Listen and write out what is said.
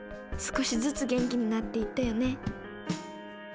少しずつ元気になっていったよね。